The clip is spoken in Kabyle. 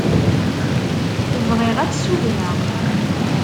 Bɣiɣ ad tt-sudneɣ.